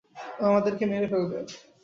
ও আমাদেরকে মেরে ফেলবে।